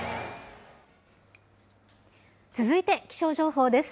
続いて気象情報です。